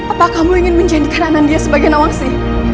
apa kamu ingin menjadi karenandia sebagai nawangsi